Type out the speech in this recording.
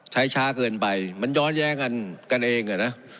ช้าเกินไปมันย้อนแย้งกันกันเองอะนะ